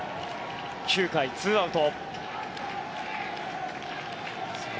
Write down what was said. ９回ツーアウト。